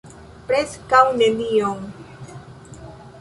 Preskaŭ nenion.